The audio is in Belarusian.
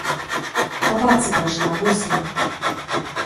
Па бабцы пайшла, вось як.